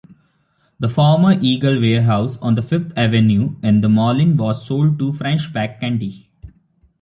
The former Eagle warehouse on Fifth Avenue in Moline was sold to Fresh-Pak Candy.